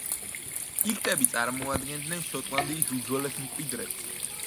პიქტები წარმოადგენდნენ შოტლანდიის უძველეს მკვიდრებს.